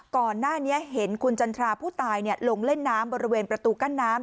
ก่อนหน้านี้เห็นคุณจันทราผู้ตายลงเล่นน้ำบริเวณประตูกั้นน้ำ